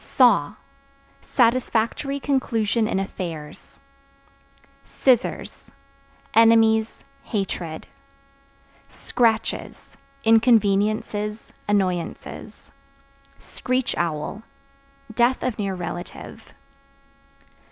Saw Satisfactory conclusion in affairs. Scissors Enemies, hatred. Scratches Inconveniences, annoyances. Screech Owl Death of near relative.